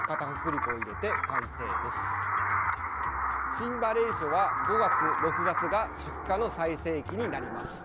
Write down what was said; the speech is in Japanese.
新ばれいしょは５月、６月が出荷の最盛期になります。